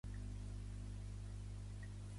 Tenir molta merda a les orelles